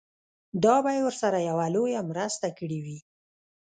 دا به يې ورسره يوه لويه مرسته کړې وي.